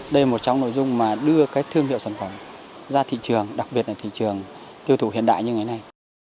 đây là một trong nội dung mà đưa cái thương hiệu sản phẩm ra thị trường đặc biệt là thị trường tiêu thụ hiện đại như ngày nay